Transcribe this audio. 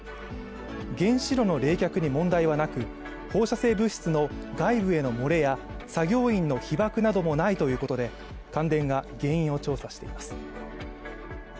原子炉の冷却に問題はなく放射性物質の外部への漏れや作業員の被ばくなどもないということで関電が原因を調査しています。